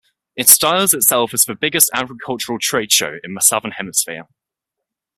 It styles itself as "the biggest agricultural trade show in the southern hemisphere".